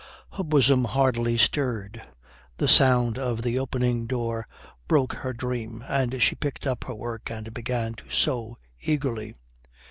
Her bosom hardly stirred. The sound of the opening door broke her dream, and she picked up her work and began to sew eagerly.